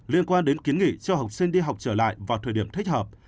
liên quan đến kiến nghị cho học sinh đi học trở lại vào thời điểm thích hợp